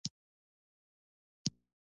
پخواني قوانین باید لغوه او نوي قوانین جوړ سي.